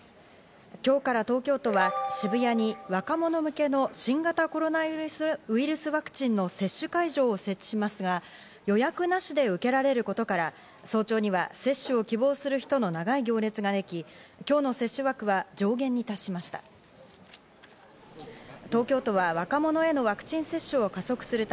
今日から東京都は渋谷に若者向けの新型コロナウイルスワクチンの接種会場を設置しますが、予約なしで受けられることから、早朝には接種を希望する人の長い行列ができ、今日の接種枠は上限に達しました。